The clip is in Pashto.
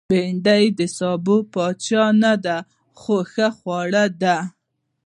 بېنډۍ د سابو پاچا نه ده، خو ښه خوړه ده